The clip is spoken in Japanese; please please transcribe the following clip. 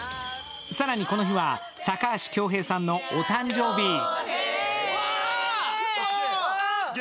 更に、この日は高橋恭平さんのお誕生日。